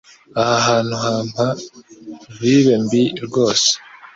Aha hantu hampa vibe mbi rwose.